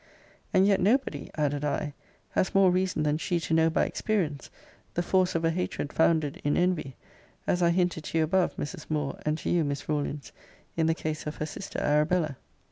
And yet nobody [added I] has more reason than she to know by experience the force of a hatred founded in envy; as I hinted to you above, Mrs. Moore, and to you, Miss Rawlins, in the case of her sister Arabella.